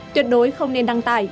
tuyệt đối không nên đăng tài